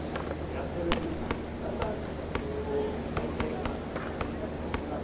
やってるうちにだんだんだんだん形を変えて今の形になっております。